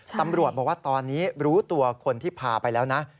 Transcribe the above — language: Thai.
ตำรวจบอกว่าตอนนี้รู้ตัวคนที่พาไปแล้วนะ